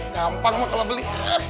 gampang mah kalau beli